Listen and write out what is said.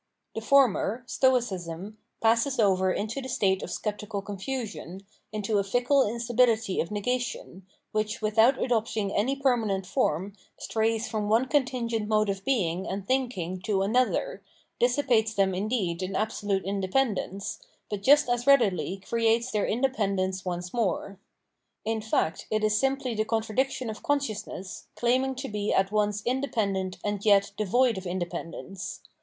The former [Stoicism] passes over into the state of sceptical confusion, into a fickle instabihty of negation, which without adopting any per manent form strays from one contingent mode of being and thinking to another, dissipates them indeed in absolute independence, but just as readily creates their independence once more. In fact, it is simply the contradiction of consciousness claiming to be at once independent and yet devoid of independence.